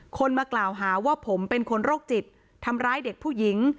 คนมากล่าวหาว่าผมเป็นคนโรคจิตทำร้ายเด็กผู้หญิง